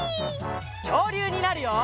きょうりゅうになるよ！